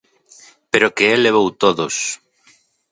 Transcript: Pero é que el levou todos.